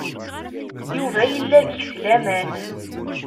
Yuba yella deg-s laman.